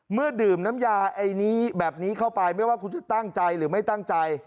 เมื่อดื่มน้ำยาไอ้นี้แบบนี้เข้าไปไม่ว่าคุณจะตั้งใจหรือไม่ตั้งใจ